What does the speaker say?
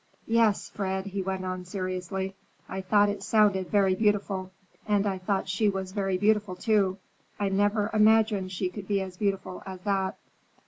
"Yes, Fred," he went on seriously; "I thought it sounded very beautiful, and I thought she was very beautiful, too. I never imagined she could be as beautiful as that."